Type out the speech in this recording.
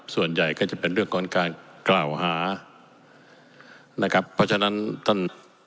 ส่วนใหญ่ก็จะเป็นเรื่องของการกล่าวหานะครับเพราะฉะนั้นท่าน